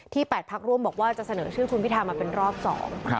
ที่๘ภักดิ์ร่วมบอกว่าจะเสนอชื่อชูมพิทามันเป็นรอบสอง